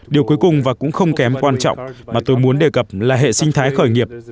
điều cuối cùng và cũng không kém quan trọng mà tôi muốn đề cập là hệ sinh thái khởi nghiệp